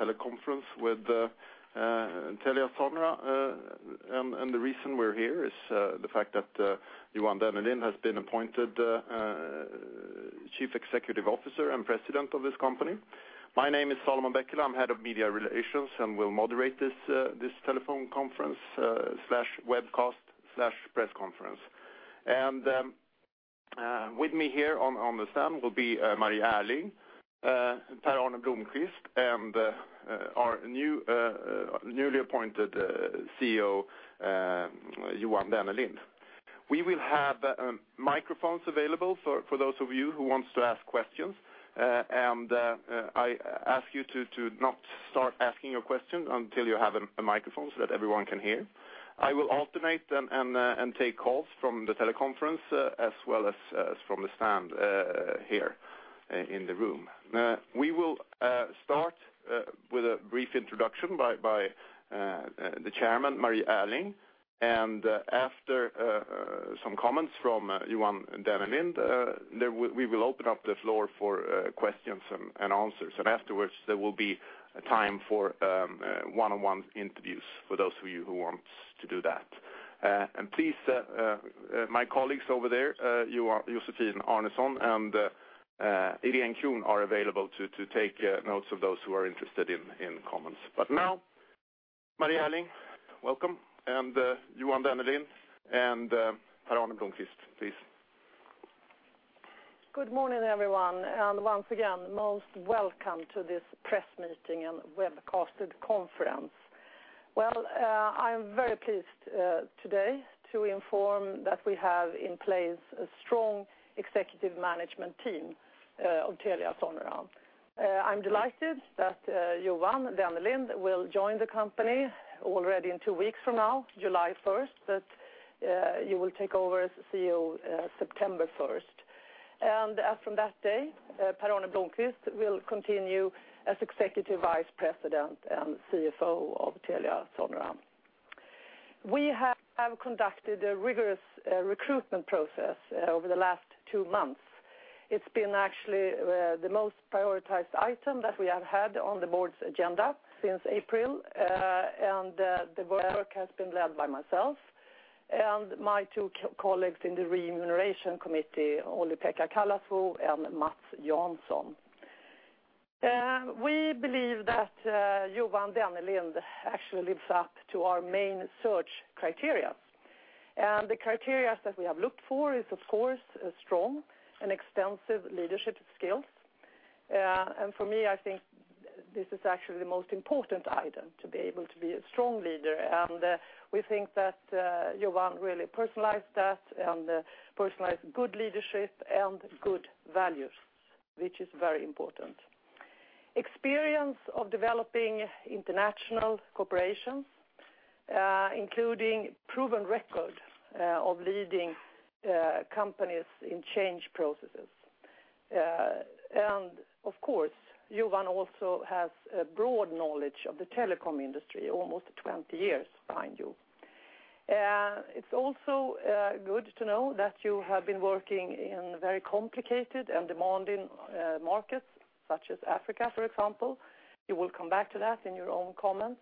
Teleconference with TeliaSonera. The reason we're here is the fact that Johan Dennelind has been appointed Chief Executive Officer and President of this company. My name is Solomon Bekele. I'm head of media relations, and will moderate this telephone conference/webcast/press conference. With me here on the stand will be Marie Ehrling, Per-Arne Blomquist, and our newly appointed CEO, Johan Dennelind. We will have microphones available for those of you who want to ask questions. I ask you to not start asking your questions until you have a microphone so that everyone can hear. I will alternate and take calls from the teleconference as well as from the stand here in the room. We will start with a brief introduction by the chairman, Marie Ehrling, and after some comments from Johan Dennelind, we will open up the floor for questions and answers. Afterwards, there will be time for one-on-one interviews for those of you who want to do that. Please, my colleagues over there, Josefin Arnesson and Irene Kron are available to take notes of those who are interested in comments. Now, Marie Ehrling, welcome, Johan Dennelind and Per-Arne Blomquist, please. Good morning, everyone. Once again, most welcome to this press meeting and webcasted conference. I'm very pleased today to inform that we have in place a strong executive management team of TeliaSonera. I'm delighted that Johan Dennelind will join the company already in 2 weeks from now, July 1st. You will take over as CEO September 1st. From that day, Per-Arne Blomquist will continue as Executive Vice President and CFO of TeliaSonera. We have conducted a rigorous recruitment process over the last 2 months. It's been actually the most prioritized item that we have had on the board's agenda since April, and the work has been led by myself and my 2 colleagues in the Remuneration Committee, Olli-Pekka Kallasvuo and Mats Jansson. We believe that Johan Dennelind actually lives up to our main search criteria. The criteria that we have looked for is, of course, strong and extensive leadership skills. For me, I think this is actually the most important item, to be able to be a strong leader. We think that Johan really personalized that and personalized good leadership and good values, which is very important. Experience of developing international corporations, including proven record of leading companies in change processes. Of course, Johan also has a broad knowledge of the telecom industry, almost 20 years behind you. It's also good to know that you have been working in very complicated and demanding markets, such as Africa, for example. You will come back to that in your own comments.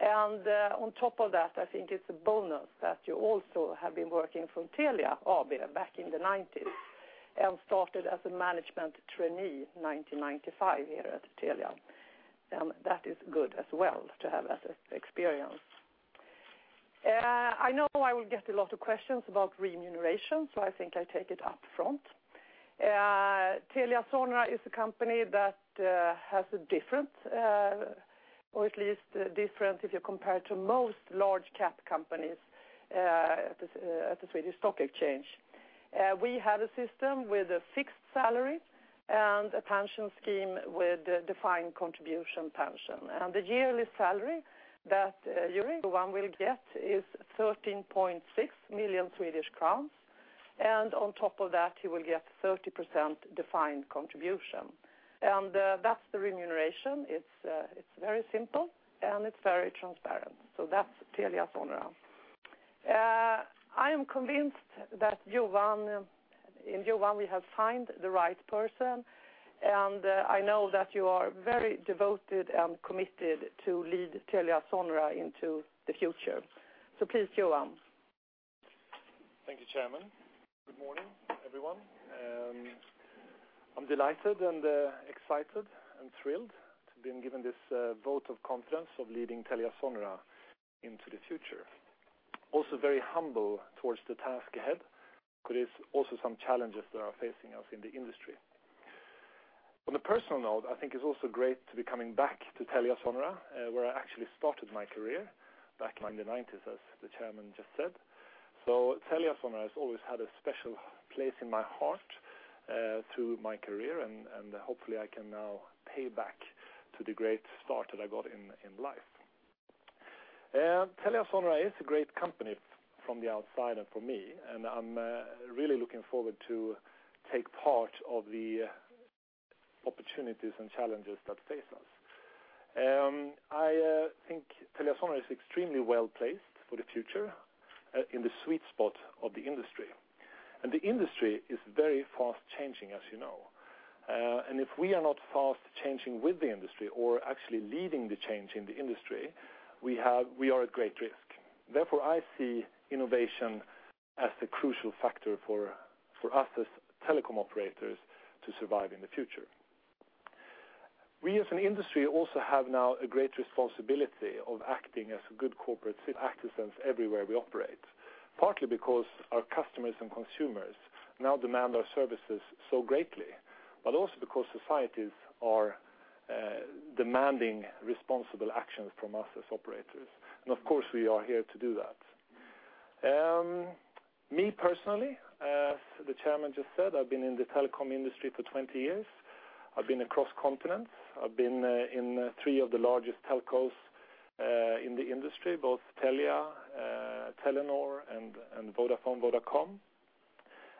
On top of that, I think it's a bonus that you also have been working for Telia AB back in the '90s, and started as a management trainee in 1995 here at Telia. That is good as well to have that experience. I know I will get a lot of questions about remuneration, I think I'll take it up front. TeliaSonera is a company that has a different, or at least different if you compare it to most large cap companies at the Swedish Stock Exchange. We have a system with a fixed salary and a pension scheme with defined contribution pension. The yearly salary that Johan will get is 13.6 million Swedish crowns, and on top of that, he will get 30% defined contribution. That's the remuneration. It's very simple and it's very transparent. That's TeliaSonera. I am convinced that in Johan, we have found the right person, and I know that you are very devoted and committed to lead TeliaSonera into the future. Please, Johan. Thank you, Chairman. Good morning, everyone. I'm delighted and excited and thrilled to have been given this vote of confidence of leading TeliaSonera into the future. Also very humble towards the task ahead. There is also some challenges that are facing us in the industry. On a personal note, I think it's also great to be coming back to TeliaSonera, where I actually started my career back in the '90s, as the Chairman just said. TeliaSonera has always had a special place in my heart through my career, and hopefully I can now pay back to the great start that I got in life. TeliaSonera is a great company from the outside and for me, and I'm really looking forward to take part of the opportunities and challenges that face us. I think TeliaSonera is extremely well-placed for the future in the sweet spot of the industry. The industry is very fast-changing, as you know. If we are not fast-changing with the industry or actually leading the change in the industry, we are at great risk. Therefore, I see innovation as the crucial factor for us as telecom operators to survive in the future. We, as an industry, also have now a great responsibility of acting as good corporate citizens everywhere we operate, partly because our customers and consumers now demand our services so greatly, but also because societies are demanding responsible actions from us as operators. Of course, we are here to do that. Me personally, as the Chairman just said, I've been in the telecom industry for 20 years. I've been across continents. I've been in three of the largest telcos in the industry, both Telia, Telenor, and Vodafone, Vodacom.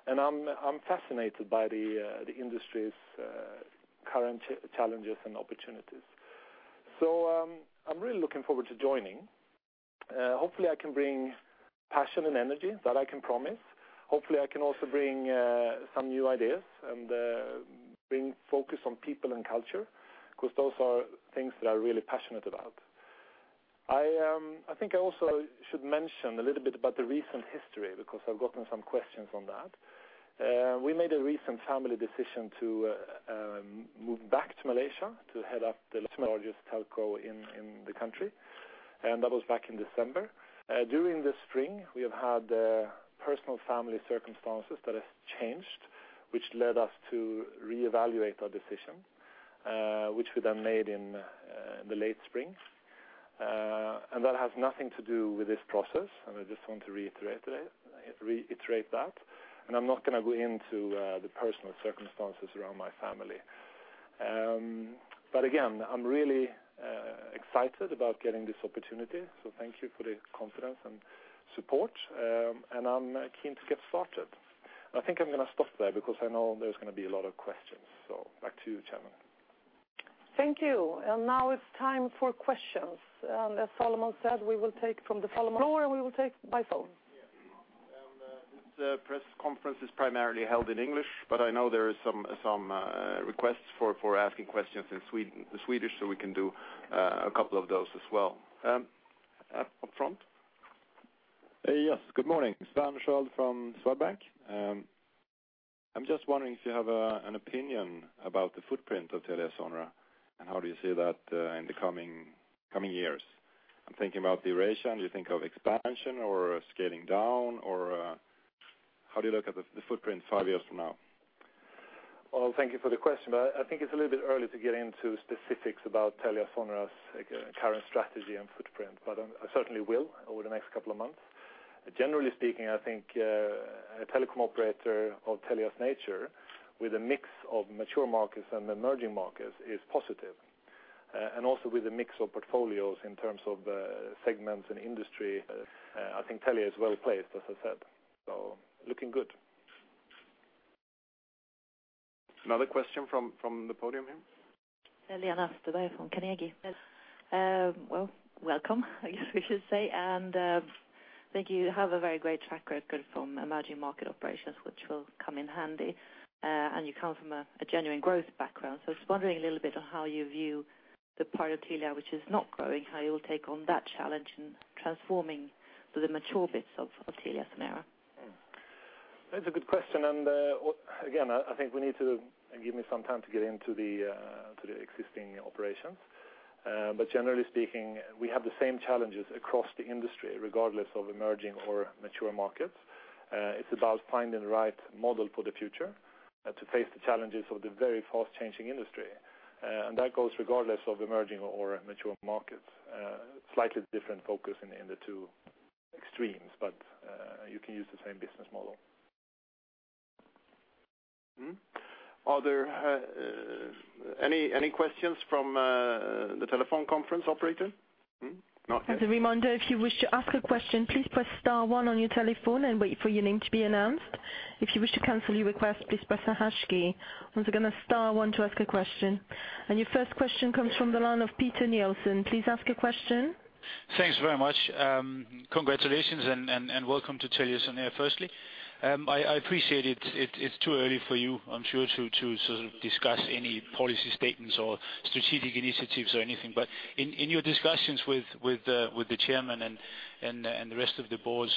I'm fascinated by the industry's current challenges and opportunities. I'm really looking forward to joining. Hopefully, I can bring passion and energy. That I can promise. Hopefully, I can also bring some new ideas and bring focus on people and culture, because those are things that I'm really passionate about. I think I also should mention a little bit about the recent history, because I've gotten some questions on that. We made a recent family decision to move back to Malaysia to head up the largest telco in the country, and that was back in December. During the spring, we have had personal family circumstances that have changed, which led us to reevaluate our decision, which we then made in the late spring. That has nothing to do with this process, and I just want to reiterate that. I'm not going to go into the personal circumstances around my family. Again, I'm really excited about getting this opportunity. Thank you for the confidence and support, and I'm keen to get started. I think I'm going to stop there because I know there's going to be a lot of questions. Back to you, Chairman. Thank you. Now it's time for questions. As Solomon said, we will take from the floor, and we will take by phone. Yes. This press conference is primarily held in English, I know there are some requests for asking questions in Swedish, we can do a couple of those as well. Up front. Yes, good morning. Sten Schulstad from Swedbank. I'm just wondering if you have an opinion about the footprint of TeliaSonera, how do you see that in the coming years? I'm thinking about the ratio, you think of expansion or scaling down, or how do you look at the footprint 5 years from now? Well, thank you for the question, I think it's a little bit early to get into specifics about TeliaSonera's current strategy and footprint, I certainly will over the next couple of months. Generally speaking, I think a telecom operator of Telia's nature, with a mix of mature markets and emerging markets, is positive. Also with a mix of portfolios in terms of segments and industry, I think Telia is well-placed, as I said. Looking good. Another question from the podium here. Lena Österberg from Carnegie. Well, welcome, I guess we should say, think you have a very great track record from emerging market operations, which will come in handy, you come from a genuine growth background. Just wondering a little bit on how you view the part of Telia which is not growing, how you'll take on that challenge in transforming the mature bits of TeliaSonera. That's a good question. Again, I think we need to give me some time to get into the existing operations. Generally speaking, we have the same challenges across the industry, regardless of emerging or mature markets. It's about finding the right model for the future to face the challenges of the very fast-changing industry. That goes regardless of emerging or mature markets. Slightly different focus in the two extremes, you can use the same business model. Any questions from the telephone conference operator? Not yet. As a reminder, if you wish to ask a question, please press star one on your telephone and wait for your name to be announced. If you wish to cancel your request, please press the hash key. Once again, star one to ask a question. Your first question comes from the line of Peter Nielsen. Please ask your question. Thanks very much. Congratulations and welcome to TeliaSonera, firstly. I appreciate it's too early for you, I'm sure, to discuss any policy statements or strategic initiatives or anything. In your discussions with the Chairman and the rest of the Board,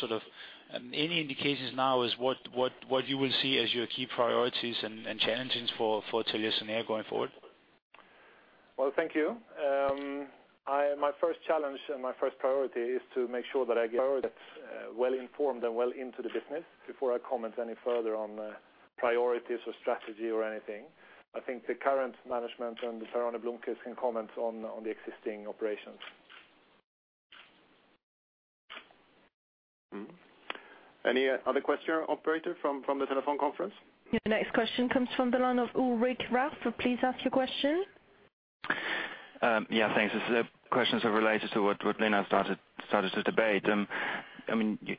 any indications now as what you will see as your key priorities and challenges for TeliaSonera going forward? Well, thank you. My first challenge and my first priority is to make sure that I get well informed and well into the business before I comment any further on priorities or strategy or anything. I think the current management and Per-Arne Blomquist can comment on the existing operations. Any other question, operator, from the telephone conference? Your next question comes from the line of Ulrich Rathe. Please ask your question. Yeah, thanks. This question is related to what Lena started to debate.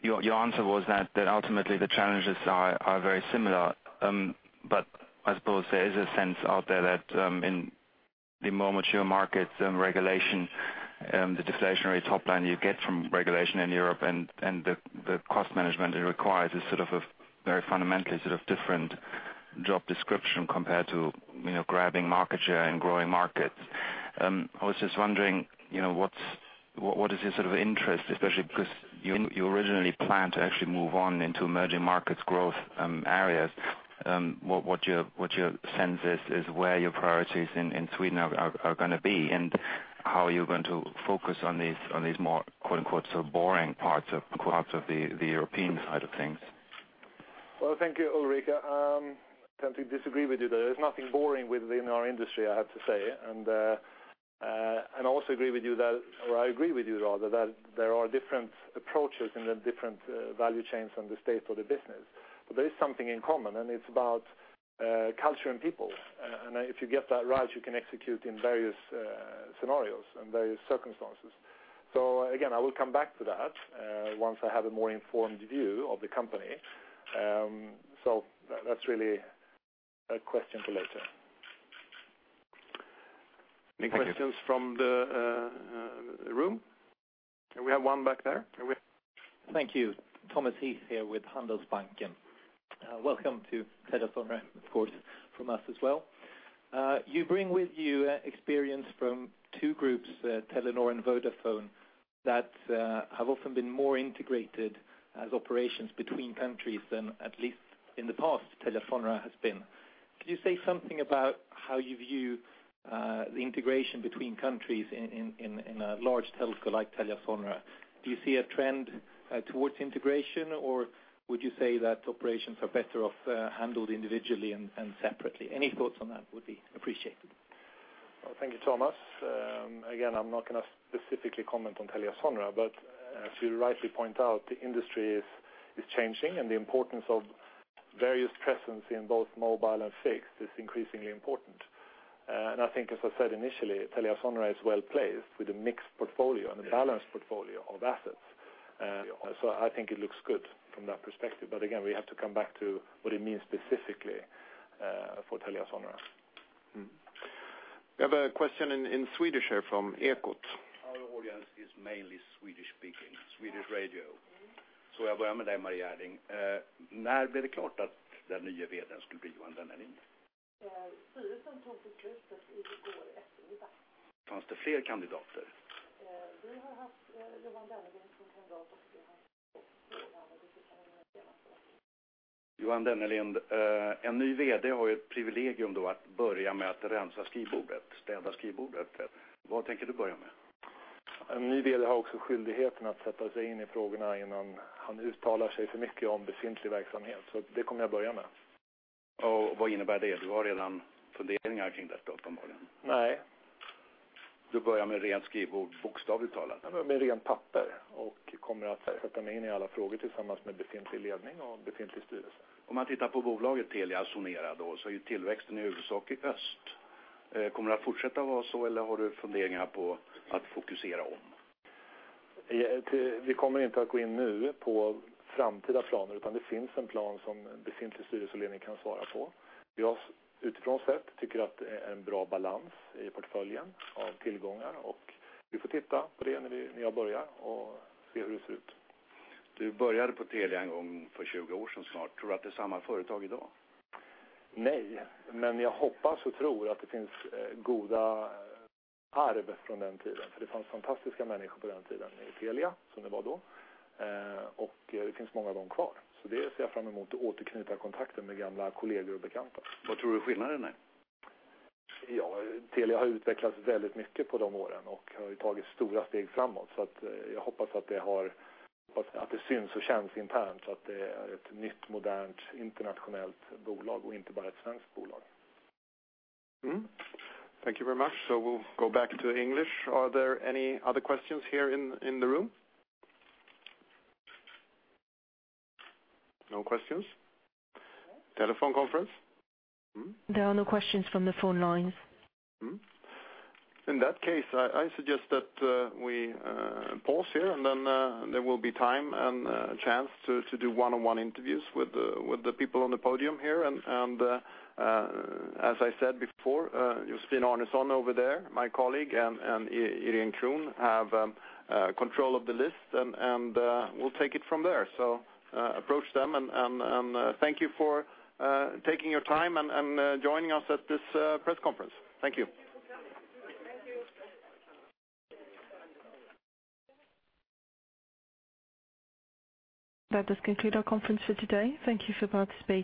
Your answer was that ultimately the challenges are very similar. I suppose there is a sense out there that in the more mature markets and regulation, the deflationary top line you get from regulation in Europe and the cost management it requires is a very fundamentally different job description compared to grabbing market share and growing markets. I was just wondering, what is your interest, especially because you originally planned to actually move on into emerging markets growth areas. What your sense is where your priorities in Sweden are going to be, and how you're going to focus on these more "so boring parts" of perhaps of the European side of things. Well, thank you, Ulrich. I tend to disagree with you there. There's nothing boring within our industry, I have to say. I also agree with you that, or I agree with you rather that there are different approaches and then different value chains and the state of the business. There is something in common, and it's about culture and people. If you get that right, you can execute in various scenarios and various circumstances. Again, I will come back to that once I have a more informed view of the company. That's really a question for later. Thank you. Any questions from the room? We have one back there. Thank you, Thomas Heath here with Handelsbanken. Welcome to TeliaSonera, of course, from us as well. You bring with you experience from two groups, Telenor and Vodafone, that have often been more integrated as operations between countries than at least in the past, TeliaSonera has been. Could you say something about how you view the integration between countries in a large telco like TeliaSonera? Do you see a trend towards integration, or would you say that operations are better off handled individually and separately? Any thoughts on that would be appreciated. Thank you, Thomas. I'm not going to specifically comment on TeliaSonera, but as you rightly point out, the industry is changing, and the importance of various presence in both mobile and fixed is increasingly important. I think, as I said initially, TeliaSonera is well-placed with a mixed portfolio and a balanced portfolio of assets. I think it looks good from that perspective. Again, we have to come back to what it means specifically for TeliaSonera. We have a question in Swedish here from Ekot. Our audience is mainly Swedish-speaking, Swedish radio. Thank you very much. We'll go back to English. Are there any other questions here in the room? No questions? Telephone conference? There are no questions from the phone lines. In that case, I suggest that we pause here and then there will be time and a chance to do one-on-one interviews with the people on the podium here. As I said before, Josefin Arnesson over there, my colleague, and Irene Kron have control of the list, and we'll take it from there. Approach them, and thank you for taking your time and joining us at this press conference. Thank you. That does conclude our conference for today. Thank you for participating.